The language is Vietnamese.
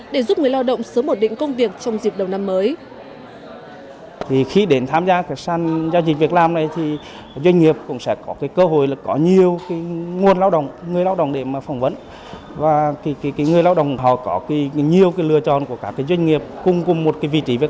để giúp người lao động sớm ổn định công việc trong dịp đầu năm mới